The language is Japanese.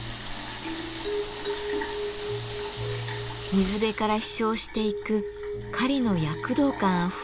水辺から飛翔していく雁の躍動感あふれる姿。